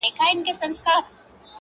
چي شېردل يې کړ د دار تمبې ته پورته!.